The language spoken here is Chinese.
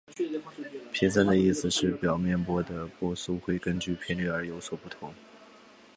频散的意思是表面波的波速会根据频率而有所不同。